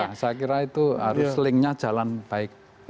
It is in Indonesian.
ya saya kira itu harus linknya jalan baik